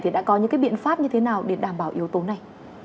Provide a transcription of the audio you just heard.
thì đã có những biện pháp như thế nào để đảm bảo yếu tố này